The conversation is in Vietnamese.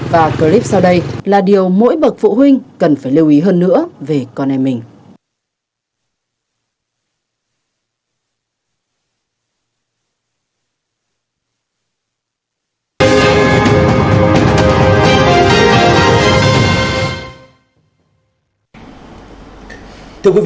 và clip sau đây là điều mỗi bậc phụ huynh cần phải lưu ý hơn nữa về con em mình